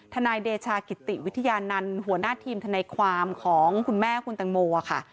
นายเดชากิติวิทยานันต์หัวหน้าทีมทนายความของคุณแม่คุณตังโมค่ะ